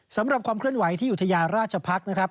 สำหรับความเคลื่อนไหวที่อุทยาราชพักษ์